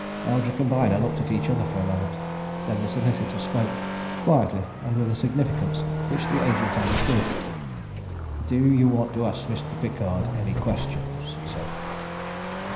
Eldrick and Byner looked at each other for a moment. Then the solicitor spoke quietly and with a significance which the agent understood. "Do you want to ask Mr. Pickard any questions?" he said.